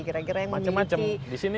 gara gara yang memiliki kekhasan